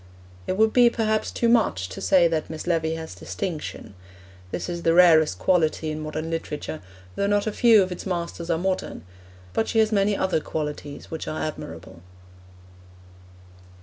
It would be, perhaps, too much to say that Miss Levy has distinction; this is the rarest quality in modern literature, though not a few of its masters are modern; but she has many other qualities which are admirable.